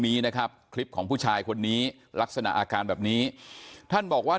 นี้นะครับคลิปของผู้ชายคนนี้ลักษณะอาการแบบนี้ท่านบอกว่า